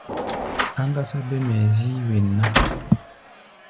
Áŋgásá bêm hɛ̧ɛ̧ zíí wen ná.